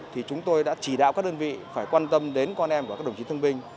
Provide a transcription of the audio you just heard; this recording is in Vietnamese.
thì chúng tôi đã chỉ đạo các đơn vị phải quan tâm đến con em và các đồng chí thương binh